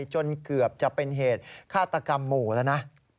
จนเกือบจะเป็นเหตุฆาตกรรมหมู่แล้วนะ